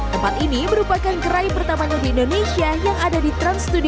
tempat ini merupakan gerai pertamanya di indonesia yang ada di transjudik